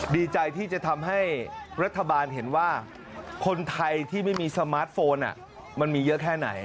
ดีใจที่จะทำให้รัฐบาลเห็นว่าคนไทยที่ไม่มีสมาร์ทโฟนมันมีเยอะแค่ไหน